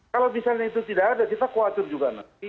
kalau misalnya itu tidak ada kita khawatir juga nanti